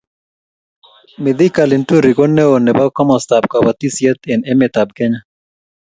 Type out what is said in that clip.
Mithika Linturi ko neo nebo komostab kobotisiet eng emetab Kenya